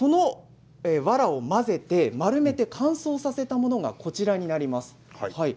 わらを混ぜて丸めて乾燥させたものがこちらになります。